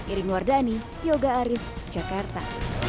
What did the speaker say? iri nwardhani yoga aris jakarta